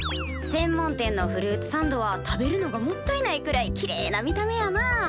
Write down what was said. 専門店のフルーツサンドは食べるのがもったいないくらいきれいな見た目やな。